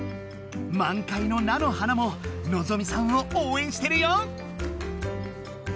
満開の菜の花ものぞみさんを応援してるよ！